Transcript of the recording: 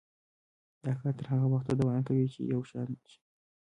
دا کار تر هغه وخته دوام کوي چې یو شان شي.